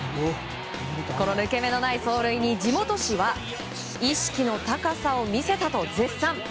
抜け目のない走塁に地元紙は意識の高さを見せたと絶賛。